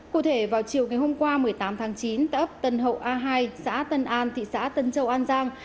cụ thể vào chiều ngày hôm qua một mươi tám tháng chín ấp tân hậu a hai xã tân an thị xã tân châu an giang